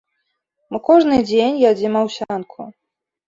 Мы кожны дзень ядзім аўсянку.